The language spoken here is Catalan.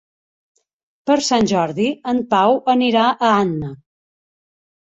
Per Sant Jordi en Pau anirà a Anna.